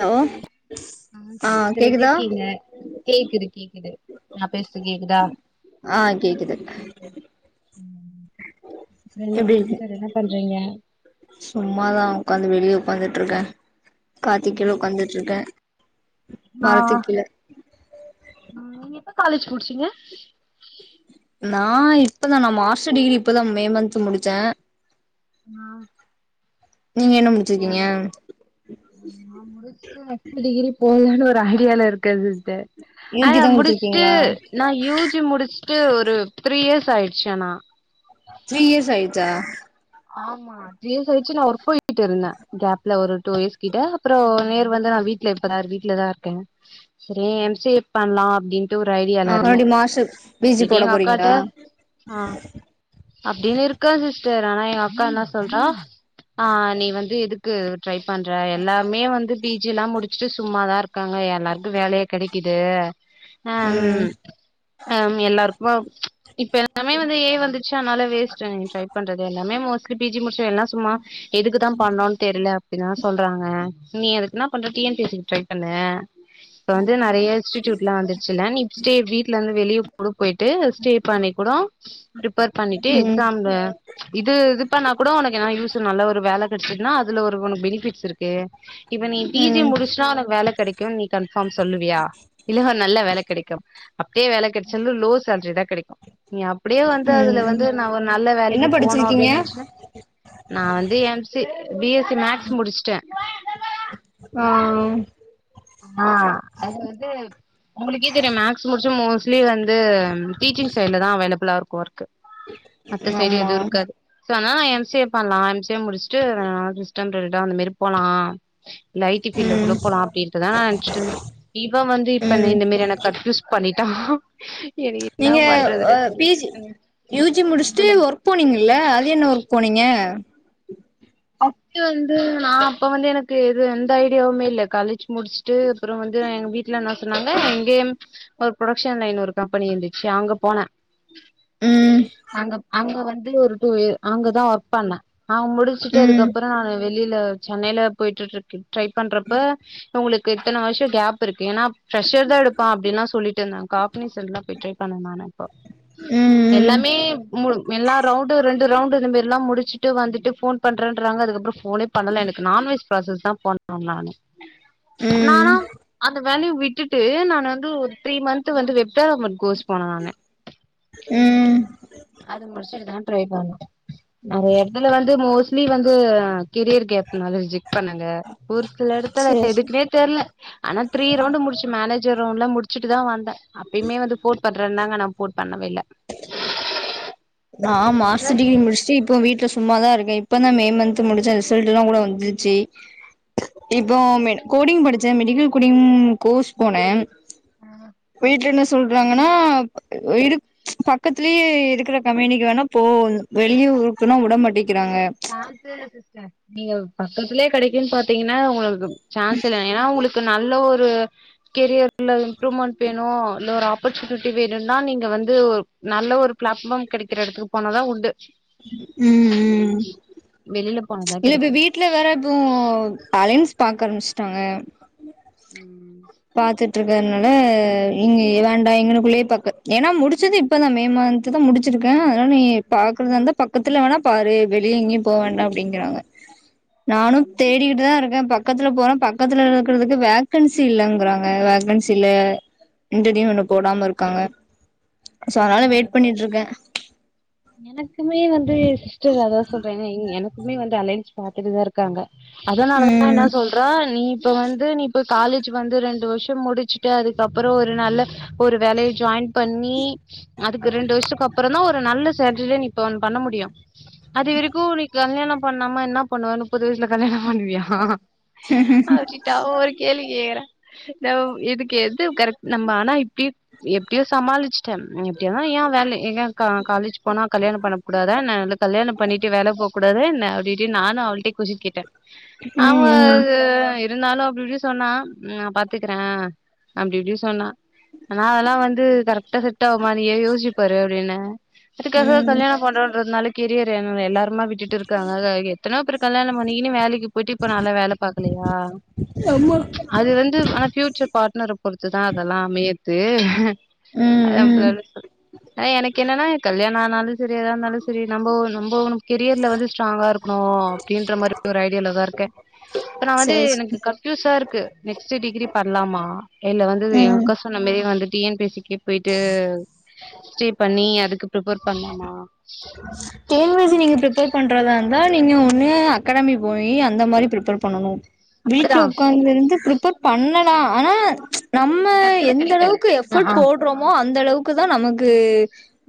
Hello ஆஹ் ஆ sister எப்டி கேக்குதா இருக்கீங்க கேக்குது கேக்குது நான் பேசுற கேக்குதா ஆ கேக்குது என்ன சார் என்ன பண்றீங்க சும்மாதான் உட்காந்து வெளியே உட்காந்துட்டு இருக்கேன் காத்தி கீழ உக்காந்துட்டுருக்கேன் [inaudible] ஆ உம் நி போ காலேஜ் குடிச்சிங்க நான் இப்பதான் நான் மாஸ்டர் டிகிரி இப்பதான் மே மந்த் முடிச்சே ஆ நீங்க என்ன ஓ முடிச்சிருக்கீங்க முடிஸ்டு நெஸ்ட் டிகிரி போலா ஒரு ஐடியால இருக்கது து யூ ஆ ஜி தா முடிஸ்ட்டு முடிச்சிருக்கீங்களா நான் யூஜி முடிச் டு ஒரு த்ரீ இயர்ஸ் ஆயிடுச்சு ஆனா த்ரீ இயர்ஸ் ஆய்ச்சா ஆமா த்ரீ இயர்ஸ் ஆய்டுச்சி நான் ஒர்க் போய்ட்டு இருந்தேன் கேப்ல ஒரு டூ இயர்ஸ் கிட்ட அப்றோ நேர் வந்து நான் வீட்ல இப்பதான் வீட்ல தான் இருக்கேன் செரி எம்சிஎ பண்ணலான் அப்டின் ஒரு ஐடியால ஆ இருந்தேன் மறுபடியு மாஸ்டர் பி ஜி இதே போட எங்க அக்கட போறீங்களா ஆ அப்டின்னு இருக்க ஆனா எங்க அக்கா என்ன சொல்ற ஆ நீ வந்து எதுக்கு ட்ரை பண்ற எல்லாமே வந்து பிஜி எல்லா முடிச்சுட்டு சும்மாதான் இருக்காங்க எல்லாருக்கு வேலய கிடைக்குது ம் ம் உம் எல்லாருக்கோம் இப்ப எல்லாமே வந்து ஏ ஐ வந்துச்சு அனால வேஸ்டுங்க ட்ரை பண்ண எல்லாமே மோஸ்லி பிஜி முடிச் சு எல்லா சும்மா எதுக்குதான் பண்ணோன்னு தெரில அப்டின்தான் சொல்றாங்க நீ அதுக்குனா பண்ற டிஎன்பிசிக்கு ட்ரை பண்ணு இப்ப வந்து நறிய இன்ஸ்டூட்லா வந்துருச்சில நீ ஸ்டே வீட்லந்து வெளியே வுடு போயிட்டு ஸ்டே பண்ணி கூட ப்ரிப்பேர் பண்ணிட்டு கூட ம் எக்ஸாமு அ இது இது பண்ணா கூடோ உனக்கு ஏன்னா யூஸ் நல்ல ஒரு வேல கிடைச்சிதுன்னா அதுல ஒரு உனக்கு பெனிஃபிட்ஸ் இருக்கு இப்ப நீ பிஜிய ம் முடிஸ்ட உனக் வேலக் கிடைக்கோ நீ கன்ஃபார்ம் சொல்லுவியா இல்ல நல்ல வேல கிடைக்கோம் அப்டியே வேல கிடச்சலு லோ சேல்ரி தான் கிடக்கோ நீ அப்டியே வந்து ம் அதுல ம் வந்து நான் ஒரு நல்ல என்ன வேலக்கு போனோ படிச்சிருக்கீங்க அப்டின்னு நினச்ச நான் வந்து எம்சி பிஎஸ்சி மேக்ஸ் முடிச்சுட்டேன் ஆ ஆ அது வந்து உங்களுக்கே தெரியோ மேக்ஸ் முடிச்சி மோஸ்ட்லி வந்து டீச்சிங் சைட்ல தான் வேலபுளா இருக் வோர்க்கு மத்த சைடு ஆமா எதுவு இருக்காது சொ அதனால எம்சி பண்ணலாம் டேம் முடிஸ்ட்டு [unintelligible] அந்த மெரி போலா இல்ல ஐ டி பில்லா ம் குள்ள போலாம் அப்டின் இப்ப தான் நா நினச்சிட்டு இர்ந்த இவன் வந்து இப்ப என்ன ம் இந்த மேரி என்ன கன்பியூஸ் பண் பண்ணிட்டான் நீங்க ஆஹ் பிஜி யூஜி முடிச்சுட்டு சொல்லுங்க ஒர்க் போனீங்கல்ல அது என்ன ஒர்க் போனீங்க அப்ப வந்து நான் அப்ப வந்து எனக்கு எது எந்த ஐடியாவுமே இல்ல காலேஜ் முடிச்சுட்டு அப்புறம் வந்து எங்க வீட்டுல நான் சொன்னாங்க எங்கேயும் ஒரு ப்ரொடக்ஷன் லைன் ஒரு கம்பெனி இருந்துச்சு அங்க போனே ம் அங்க அங்க வந் து து அங்கதான் ஒர்க் பண்ணேன் ஆஹ் முடிச்சு ட்டு இதுக்கு ம் அப்புறம் வெளியில சென்னைல போயிகிட்டு இருக்கேன் ட்ரை பண்றப்ப உங்களுக் இத்தன வருஷம் கேப் இருக் கு ஏன்னா பிரஷர் தான் எடுப்பான் அப்படிலாம் சொல்லிட்டு இருந்தாங்க காக்கனேஜ் போய் ட்ரை பண்ணப்ப ம் எல்லாமே எல்லா ரவுண்டு ரெண்டு ரவுண்டு இதுமாரி எல்லாம் முடிச்சுட்டு வந்துட்டு போன் பண்றேன்றாங்க அதுக்கு அப்புறம் போனே பண்ணல எனக்கு நான்வெஜ் ப்ராசஸ் தான் போன் பண்ணேன் நானு ம் நானும் அது வேலைய விட்டுட்டு நான் வந்து ஒரு த்ரீ மந்த் வந்து வெப் டெவலப்மென்ட் கோர்ஸ் போனேன் நானு ம் அது முடிச்சட்டுதான் ட்ரை பண்ணும் நறைய இடத்துல வந்து மோஷ் இட்லி வந்து கெரியர் கேப் நால்லா ரிஜெக்ட் பண்ணாங்க ஒரு சில இடத்துல சேரி சேரி எதுக்குனே தெரியல ஆனா த்ரீ ரவுண்டு முடிச்சு மேனேஜ் எல்லாம் முடிச்சுட்டுதான் வந்தேன் அப்பயுமே வந்து போன் பண்றேன்னாங்க ஆனா போன் பண்ணவே இல்ல நான் மாஸ்டர் டிகிரி முடிச்சுட்டு இப்போ வீட்டுல சும்மாதான் இரு இப்பதான் மே மந்த் முடிச்சேன் ரிசல்ட் எல்லாம் கூட வந்துருச்சு இப்போ கோடிங் படி மெடிக்கல் கோடிங்கோர்ஸ் போனேன் வீட்டுல என்ன சொல்றாங்கன்னா இது பக்கத்திலயே இருக்கிற கம்பேனிக்கு வேணா போ வெளி ஊருக்குனா விட மாட்டேங் சான்சே இல்ல சிஸ்டர் நீங்க பக்கதுலயே கிடைக்குனு பாதீங்கனா உங்களுக்கு சான்ஸ் இல்ல ஏனா அவங்களுக் நல்ல ஒரு [unintelligible] கரியர்ல இம்ரூமெண்ட் [unintelligible] இல்ல ஒரு அப் ஆஃபர்சுனிட்டி வேணுனா நீங்க வந்து ஒரு நல்ல ஒரு பிளாட்ஃபாம் கெடைக்கிற இடத்துக்கு போனாதான் உண்டு உம் உம் வெளிலப் ச் இல்ல இப்ப வீட்ல வேற இப்போ அலைன்ஸ் பாக்கரபிச் விட்டாங்க உம் பாத்துட்டு இருக்கனால இங்க வேண்டா இங்கனுகுளயே பக்க ஏனா முடிச்சது இப்பதா மே மந்த் தா முடிச்சிருகே [unintelligible] நீ பாகிரதந்த பக்க பக்துல வேணா பாரு வெளிய எங்கியு போ வேணா அப்டிறாங்க நானு தேடிகிடு தா இருக பக் பக்கத்துல போனா பக்கத்துல இருக்குறதுகு வேகன்சி இல்லங் [unintelligible] வேகன்சில இந்ததையு ஒண்ணு போடாம இருகாங்க சோ அனால வெயிட் பண்ணிட்டு இருக்கே எனக்குமே வந்து சிஸ்டர் அதா சொல்றனே எனக்க எனகுமே வந்து அலைன்ஸ் பாத்துடு தா இருகாங்க அதனாலதா நா ம் சொல்ற நீ இப்ப வந்து நீ இப்ப காலேஜ் வந்து ரெண்டு வருஷ முடிச்சுட்டு அதுகப்றம் ஒரு நல்ல ஒரு வேலைய ஜாயின் பண்ணி அதுக்கு ரெண்டு வருஷதுகு அப்பறம தா ஒரு நல்ல செர்லே இப்ப ஒன்னு பண்ண முடியு அதுவரைக்கு நீ கல்யாண பண்ணாம என்ன பண்ணுவ முப்பது வயசுல கல்யாண பண்ணுவியா அவகிட்டா ஒரு கேள்வி கேக்றேன் இதுக்கு எது கரக்ட் நம்ம ஆனா இப் எப்டியோ சமாளிச்டேன் எப்டியனா ஏ வேல எங்க கா காலேஜ் நா கல்யாண பண்ண கூடாதா என கல்யாண பண்ணிட்டு வேல போக்கூடாதன அப்டி இப்டினு நானு அவள்ட்ட கொஸ்டின் கேடன் ஆமா ம் ம் இது இருந்தாலு அப்டி இப்டி சொன்னா நா பாதுக்றன் அப்டி இப்டி சொனா ஆனா அதெலா வந்து கரெக்டா செட் ஆவுமா நீயே யோசிச்பாரு அபடின அதுக்காக ம் கல்யாணம் கொண்டாடுறதுனாலக்கு கெரியர் என எல்லாரும் அம்ம விட்டுட்டு இருக்காங்க எத்தன பேரு கல்யாணம்ணனு வேலைக்கு போயிட்டு இப்ப நல்லா வேல பாக்கலயா அது வந்து ஆனா ஃப்யூச்சர் பாட்னர் பொறு பொருத்துதா அதெல்லா அமையது. ம் அஹே ஆஹ ம் [unintelligible] எ எனக்கு. கென்னன்னா. கல்யாண ஆனாலு சேரி எதா இருந்தாலு சேரி நம்போ நம்போ உனக்கு கெரியர்ல வந்து ஸ்ட்ராங்கா இருக். னு அப்படின்ற மாரி ஒரு ஐ. இதுல்லதா இருக்க. இப்ப நா வந்து சேரி எனக்கு சேரி கன்ஃயூஸா இருக்கு. நெக்ஸ்ட் டிகிரி பன்லாமா இல்ல வந்து எங்க ம் அக்கா சொன்ன மாரி வந்து டிஎன்பிகே போயிட்டு ஸ்டே பண்ணி அதுக்குப். பிரிப்பேர் பண்லாமா. டிஎன்பிசி நீங்க பிரிப்பேர். பண்றதா இருந்தா நீங்க ஒன்னு அக்காடமி போயி அந்த மாரி பிரிப்பேர் பண்ணணு. வீட்ல அப்படிதா உக்கார்ந்து இருந்து பிரிப். பண்ணலா ஆனா ம்ச். நம்ம டக்குனு எந்த கெடைக்காது அளவுக்கு எஃபர்ட் ஆ போடுறோமோ அந்த அளவுக்குதா நமக்கு. து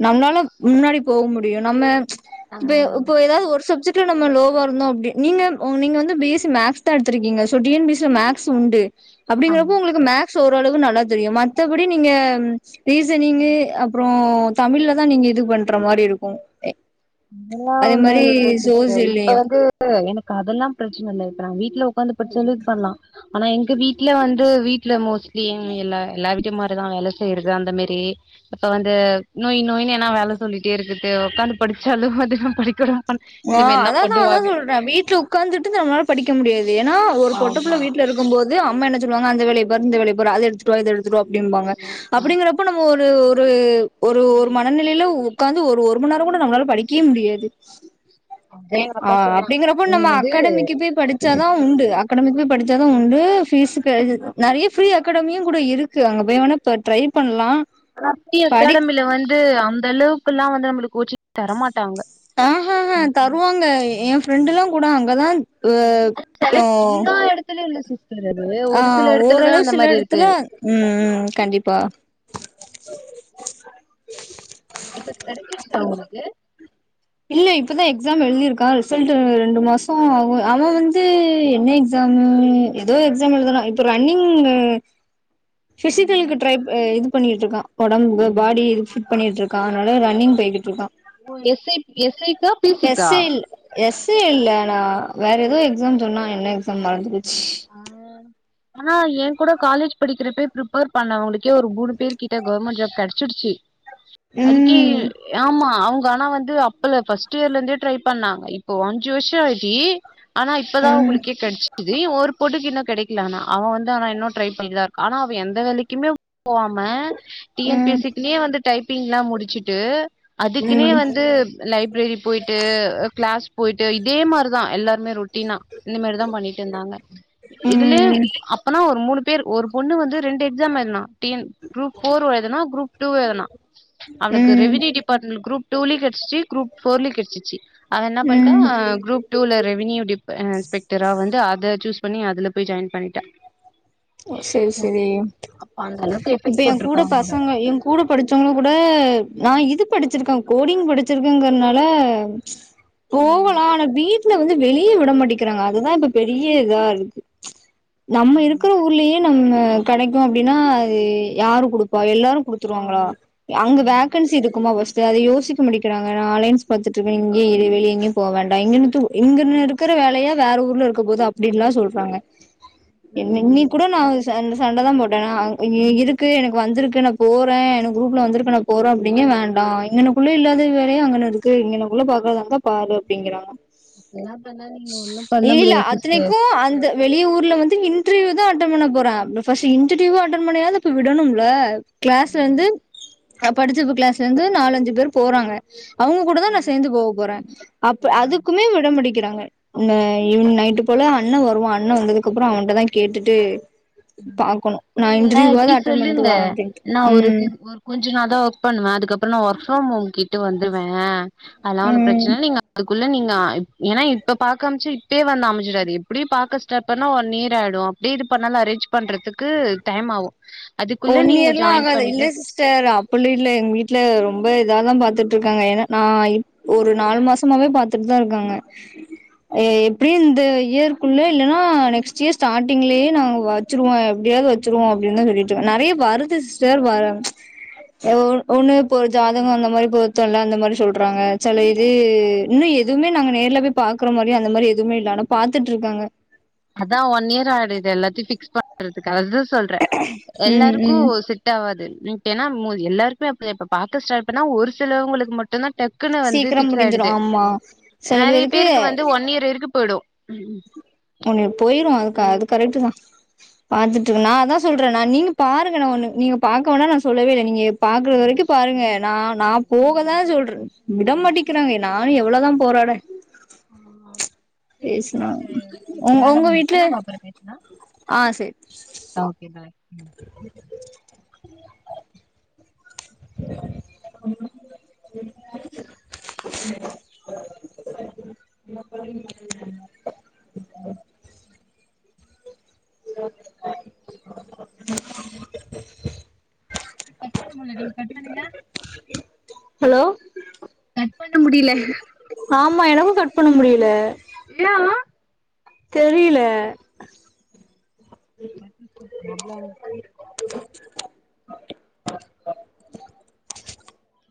நம்மளால முன்னாடி போக முடியும் நம்ம. ம்ச் ஆ இப்ப இப்ப ஏதாவது ஒரு சப்ஜெட். விட்டு நம்ம லோவா இருந்தோ அப்படி நீங்க நீங்க வந்து பிஎஸ்சி மேக்ஸ்தா எடுத்திருக்கீங்க டிஎன்பிஸ் மேக்ஸ் உண்டு. அப்படிங்கறப்போ ஆமா உங்களுக்கு மேக். ஸ்சு ஓரளவு நல்லா தெரியும் மத்தபடி நீங்க. ரீசனிங்கு அப்புறோ. தமிழ்லதா நீங்க இது பண்ற மாரி இருக்கும்மே. அதெல்லா ஒண்ணு இல்ல சிஸ்டர் இப்ப சோசியல்லையும் வந்து எனக். அதெல்லா பிரச்சன இல்ல இப்போ நாங்க வீட்லோ. உக்காந்து படுச்சாலு இது பண்லா. ஆனா எங்க வீட்ல வந்து வீட்டுல மோஸ்ட்லி எல்ல எல்லா வீட்டு மாரிதா வேல செய்யறது அந்த மாரி இப்ப வந்து நொய் நொய்னு ஏனா வேல சொல்லிட்டே இருக்குறது உக்காந்து. படிச்சாலு அதிகம் படிக்கணு. ஆஹ அததா அததா சொல்ற வீட்டுல உட்காந்துட்டு நம்ம நாள படிக்க முடியாது ஏன்னா ஒரு பொட்ட புள்ள ஆமா வீட்ல இருக்கும்போது. அம்மா என்ன சொல்லுவாங்க அந்த வேலய பாரு இந்த வேலய பாரு அது எடுத்துட்டு வா இது எடுத். துட்டுவா அப்படிபாங்க ஆ அப்படிங்கறப்போ நம்ம ஒரு. ஒரு ஒரு ஒரு மனநிலையில உக்காந்து ஒரு ஒரு மணி நேரம் கூட நம்மளால படிக்கவே முடியாது. அதா எங்க அக்கா ஆஹ சொன்னா அப்படிங்கறப்போ நீ நம்ம வந்து அக்காடமிக்கு போய் படிச்சாதா உண்டு அக்காடமிக்கு போய் படிச். [unintelligible] உண்டு பீஸ்க்கு நெறைய ஃப்ரீ அக்காடமியும் கூட இருக்கு அங்க போய் வேணா இப்ப ட்ரை பண்லா. த்தி அக்காடமில வந்து அந்த அளவுக்குல்லா வந்து நம்மளுக். கோச்சிங் தர மாட்டாங்க. ஆஹ் ஆஹ் ஹ தருவாங்க என் ஃப்ரெண்டுலாம் கூட அங்க தான் ஹ இப்போ எல்லா எடத்துலயு இல்ல சிஸ்டர் அது ஒரு சில ஆஹ் எடத்துலதா ஓரளவு அந்த சில மாரி இருக்கு இடத்துல உம் ம் கண்டிப்பா இப்ப கிடைச்சிருச்சா உங்களுக்கு இல்ல இப்பதான் எக்ஸாம் எழுதிருக்கான் ரிசல்ட் ரெண்டு மாசம் ஆகும் அவன் வந்து என்ன எக்ஸாம் ஏதோ எக்ஸாம் எழுதனா இப்ப ரன்னிங் பிசிகலுக்கு ட்ரை ப பண்ணிட்டு இருக்கான் ஒடம்பு பாடி இது ஃபிட் பண்ணிட்டு இருக்கான் அதனால ரன்னிங் போயிட்ருக்கான் இப்போ எஃப்தி எஸ்ஐக்கா பிசிக்கா எஸ்ஐ இல்லஆனா வேற ஏதோ எக்ஸாம் சொன்னா என்ன எக்ஸாம் மறந்து போச்சு ஆஹ் ஆனா என் கூட காலேஜ் படிக்கிறப்பே ப்ரிப்பேர் பண்ணவங்களுக்கே ஒரு மூணு பேரு கிட்ட கவர்மெண்ட் ஜாப் கிடைச்சிடுச்சு அதுக்கே ம் ஆமா அவுங் ஆனா வந்து அப்பல ஃபர்ஸ்ட் இயர்ல இருந்தே ட்ரை பண்ணா இப்ப அஞ்சு வருஷம் ஆயி ஆனா இப்பதான் ம் உங்களுக்கே கிடைச்சிது ஒரு இன்னும் கிடைக்கல ஆனா அவன் வந்து ஆனா இன்னும் ட்ரை பண்ணிதான் இருக்கான் ஆனா அவன் எந்த வேலைக்குமே போவாம டி என்பி ம் ஸிக்குலேயே வந்து டைப் ப்பிங்ல்லாம் முடிச்சுட்டு அதுக்குனே ம் வந்து லைப்ரரி போயிட்டு கிளாஸ் போயிட்டு இதே மாதிரிதான் எல்லாருமே ரொட்டீனா இந்த மாதிரிதான் பண்ணிட்டு இருந்தாங்க இதுலயே ம் அப்பனா ஒரு மூணு பேர் ஒரு பொண்ணு வந்து ரெண்டு எக்ஸாம் எழுதுனா குரூப் ஃபோர் எழுதுனா குரூப் டூவும் எழுதுன அவனுக்கு ம் ரெவுனுட்டி டிபார்ட்மெண்ட் குரூப் டூலையும் கிடைச்சு குரூப் ஃபோர்லையும் கிடைசிச்சு அத என்ன பண்ணிட்டா ம் குரூப் டூல ரெவ்னியூ டி இன்ஸ்பெக்டரா வந்து அத சூஸ் பண்ணி அதுல போய் ஜாயின் பண்ணிட்டா செரி செரி இப்ப என் கூட பசங்க என் கூட படிச்சவங்கள கூட நான் இது படிச்சிருக்கேன் கோடிங் படிச்சிருக்கேங்கறனால போகலாம் ஆனா பீ வீட்ல வந்து வெளிய விட மாட்டிக்கிறாங்க அதுதான் இப்ப பெரிய இதா இருக்கு நம்ம இருக்கு ஊர்லயே நம்ம கடைக்கும் அப்படின்னா அது யாரு குடுப்பா எல்லாரும் குடுத்துடுவாங்களா அவுங்க வேக்கன்சி இருக்குமா ஃபஸ்ட் அத யோசிக்க முடிக்கிறாங்க நான் ஆலைன்ஸ் பாத்துட்டு இருக்க இங்கயே வெளிய எங்கயும் போ வேண்டாம் இங்க இங்கன்னு இருக்கிற வேலையா வேற ஊர்ல இருக்க போதும் அப்படின்ல்லாம் சொல்றாங்க ந்னி கூட நாஸ் சண்ட சண்ட தான் போட்ட நா இருக்கு எனக்கு வந்திருக்கு நான் போறேன் எனக்கு குரூப்ல வந்திருக்கனும் போறோம் அப்டின்ங்க வேண்டாம் இங்கனுக்குள்ளே இல்லாத வேலையோ அங்கன்னு இருக்கு இங்கனுக்குள்ள பாக்குறதா இருந்தாபாரு அப்படிங்கிறாங்க எல்லாம் பண்ணாலும் நீங்க ஒண்ணும் பண்ண இல்ல முடியாது சிஸ்டர் அத்தனைக்கும் அந்த வெளிய ஊர்ல வந்து இன் இன்டர்வியூ தான் அட்டன் பண்ண போறன் பஸ்ட் இன்ட்டவியு அட்டன் பண்ணாயாது இப்ப விடணும்ல கிளாஸ்ல இருந்து நா படிச்சப்பு கிளாஸ்ல இருந்து நாலு அஞ்சு பேர் போறாங்க அவுங்க கூட தான் நான் சேர்ந்து போக போறன் அப்ப அதுக்குமே விட மாட் கிறாங்க ஈவினிங் நைட் போல அண்ண வருவான் அண்ண வந்ததுக்கு அப்பறம் அவன் கிட்ட தான் கேட்டுட்டு பாக்கணு நா நீங்க இன்டர்வியூவாது இப்டி அட்டன் சொல்லுங்க பண்ட்டு வரே அப்டின்ட்டு நான் ஒரு ம் ஒரு கொஞ்ச நாள் தான் ஒர்க் பண்ணுவேன் அதுக்கப்பறம் நா ஒர்க் ஃப்ரம் ஹோம் கே டு வந்துருவேன் அதெல்லாம் ஒன்னும் ம் பிரச்சன நீங்க அதுக்குள்ள நீங்க ஏன்னா இப்ப பாக்க அமிச்சு இப்பே வந்து அமன்ஜிடாது இப்படியும் பாக்க ஸ்டார்ட் பண்ணோம் ஒன் இயர் ஆயிடும் அப்டியே இது பண்ணாலும் அரேன்ச் பண்றதுக்கு டைம் ஆவும் ஒன் இயர்லாம் ஆகாது இல்ல சிஸ்டர் அப்டில்ல இல்ல எங்க வீட்டுல ரொம்ப ரொம்ப இத தான் பாத்துட்டு இருக்காங்க ஏன்னா நா இப் ஒரு நாலு மாசமாவே பாத்து திட் தான் இருக்காங்க ஏ எப்டி இந்த இயற்க்குள்ள இல்லைன்னா நெக்ஸ்ட் இயர் சாட்டிங்லே நாங்கள் வச்சுடுவோ எப்டியாவது வச்சுடுவோம் அப்பின்னு சொல்லிட்டு நிறைய வருது சிஸ்டர் வறங்க ஒண்ணு இப்போ ஒரு ஜாதகம் அந்த மாரி பொருத்தம் இல்ல அந்த மாரி சொல்றாங்க சில இது இன்னும் எதுவுமே நாங்க நேர்ல போய பாக்குற மாரியி அந்த மாரி எதுவுமே இல்ல ஆனா பாத்துட்டு இருக்காங்க அதான் ஒன் இயர் ஆயிடு எல்லாத்தி பிஃக்ஸ் பண்றதுக்கா அது சொல்ற ம் எல்லாருக்கும் ம் செட் ஆவாது நையிட்டேன்னா மூவ் எல்லாருக்கும பா பாக்க ஸ்டைல் ஒரு சிலவங்களுக்கு மட்டும்தான் டக்குன்னு வந்து சீக்கிரம் பிக்ஸ் முடிஞ்சிரு ஆயிடுது ஆமா நறைய பேருக்கு வந்து ஒன் இயர் வரைக்கும்போய்டும் உம் உம் உன்னு போயிடும் அதுக்க அது கரெக்டு தான் பாத்துட்டு இருக்கு நா அததான் சொல்றேன் நா நீங்க பாருங்க நா ஒண்ணு நீங்க பாக்க வேடா நான் சொல்லவே இல்ல நீங்க பாக்குறது வரைக்கும் பாருங்க நா நா போகதான் சொல்றேன் விடமாட்டிக்கிறாங்க நானும் எவ்வளவுதான் போராடே உங் வேல உங்க வீட்ல வந்துச்சுணா அப்பறம் பேசலாம் okay bye inaudible unintelligible inaudible cut பண்ண முடியல நீங்க கட் பண்ணுங்க ஹலோ கட் பண்ண முடியல ஆமா எனக்கும் கட் பண்ண முடியல தெரியல நெட்ஒர்க் சம் ப்ராப்ளம்